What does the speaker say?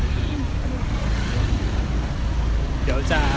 ไม่ใช่นี่คือบ้านของคนที่เคยดื่มอยู่หรือเปล่า